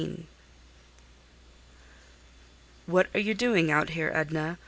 XI "What are you doing out here, Edna?